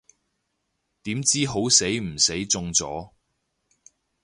點知好死唔死中咗